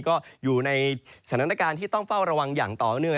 ก็อยู่ในสถานการณ์ที่ต้องเฝ้าระวังอย่างต่อเนื่อง